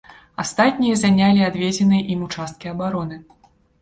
Астатнія занялі адведзеныя ім участкі абароны.